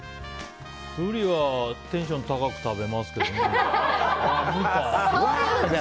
ブリはテンション高く食べますけどね。